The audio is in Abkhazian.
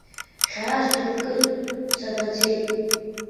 Хьаас думкын, сабаӡӡеи.